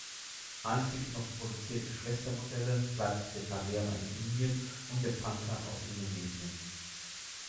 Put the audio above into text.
Einzig noch produzierte Schwestermodelle bleibt der Tavera in Indien und der Panther aus Indonesien.